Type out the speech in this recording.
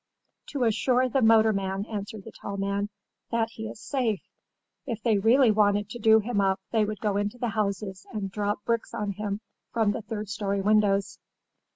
"To assure the motorman," answered the tall man, "that he is safe. If they really wanted to do him up they would go into the houses and drop bricks on him from the third story windows."